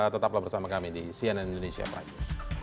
tetaplah bersama kami di cnn indonesia prime